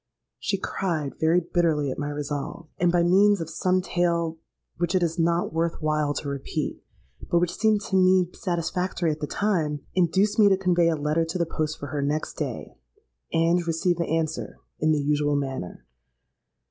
She cried very bitterly at my resolve, and by means of some tale which it is not worth while to repeat, but which seemed to me satisfactory at the time, induced me to convey a letter to the post for her next day, and receive the answer in the usual manner.